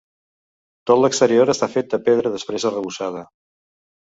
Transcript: Tot l'exterior està fet de pedra després arrebossada.